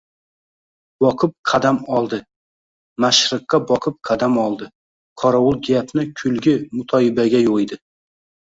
boqib qadam oldi. Mashriqqa boqib qadam oldi. Qorovul gapni kulgi-mutoyibaga yo‘ydi.